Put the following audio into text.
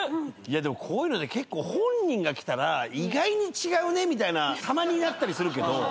でもこういうので結構本人が来たら意外に違うねみたいなたまになったりするけど。